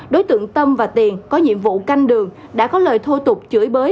đối tượng tâm và tiền có nhiệm vụ canh đường đã có lời thô tục chửi bới